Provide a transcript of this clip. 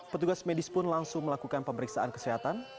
petugas medis pun langsung melakukan pemeriksaan kesehatan